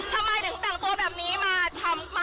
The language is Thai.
ทำไมถึงแต่งตัวแบบนี้มาทำ